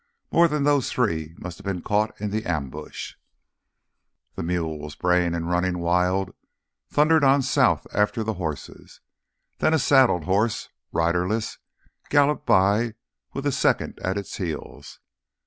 More than those three must have been caught in the ambush. The mules, braying and running wild, thundered on south after the horses. Then a saddled horse, riderless, galloped by with a second at its heels.